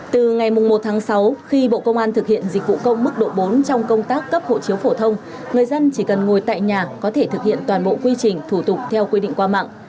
từ ngày một tháng sáu khi bộ công an thực hiện dịch vụ công mức độ bốn trong công tác cấp hộ chiếu phổ thông người dân chỉ cần ngồi tại nhà có thể thực hiện toàn bộ quy trình thủ tục theo quy định qua mạng